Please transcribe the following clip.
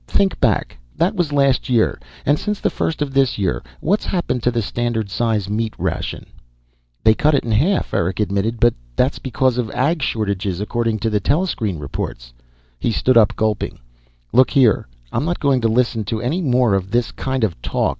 Think back. That was last year. And since the first of this year, what's happened to the standard size meat ration?" "They cut it in half," Eric admitted. "But that's because of Ag shortages, according to the telescreen reports " He stood up, gulping. "Look here, I'm not going to listen to any more of this kind of talk.